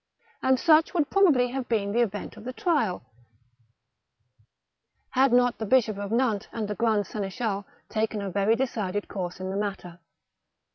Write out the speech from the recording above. And such would probably have been the event of the trial, had not the Bishop of Nantes and the grand seneschal taken a very decided course in the matter.